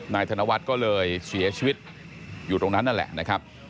ธนวัฒน์ก็เลยเสียชีวิตอยู่ตรงนั้นนั่นแหละนะครับ